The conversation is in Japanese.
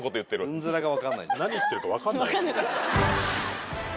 何言ってるか分かんない。